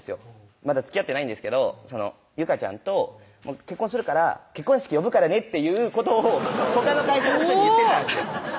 「まだつきあってないんですけど有果ちゃんと結婚するから結婚式呼ぶからね」っていうことをほかの会社の人に言ってたんですよ